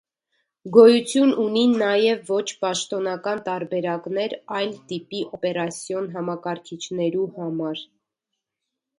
Գոյութիւն ունին նաեւ ոչ պաշտոնական տարբերակներ այլ տիպի օպերասիոն համակարգիչներու համար։